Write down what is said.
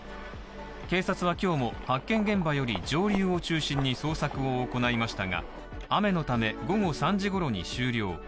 警察は今日も発見現場より上流を中心に捜索を行いましたが雨のため、午後３時ごろに終了。